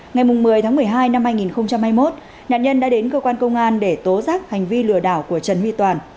ngày một mươi tháng một mươi hai năm hai nghìn hai mươi một nạn nhân đã đến cơ quan công an để tố giác hành vi lừa đảo của trần my toàn